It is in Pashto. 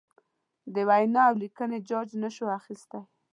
د وینا اولیکنې جاج نشو اخستی.